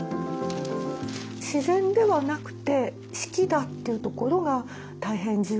自然ではなくて四季だっていうところが大変重要です。